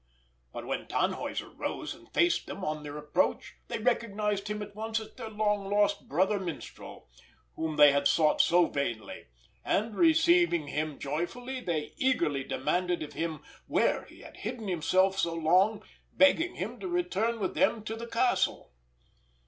But when Tannhäuser rose and faced them on their approach, they recognised him at once as their long lost brother minstrel, whom they had sought so vainly; and receiving him joyfully, they eagerly demanded of him where he had hidden himself so long, begging him to return with them to the castle.